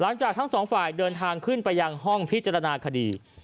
หลังจากทั้งสองฝ่ายเดินทางขึ้นไปยังห้องพิจารณาคดี